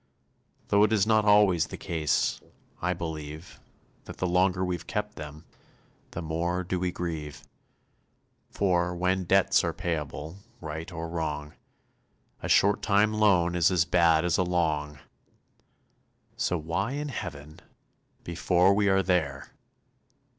Though it is not always the case, I believe, That the longer we've kept 'em, the more do we grieve: For, when debts are payable, right or wrong, A short time loan is as bad as a long So why in Heaven (before we are there!)